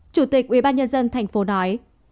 chủ tịch ubnd tp nói